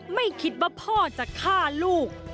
ไม่คิดว่าพ่อจะฆ่าลูก